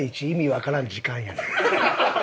わからん時間やねん。